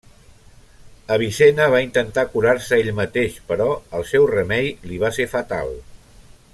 Avicenna va intentar curar-se ell mateix, però el seu remei li va ser fatal.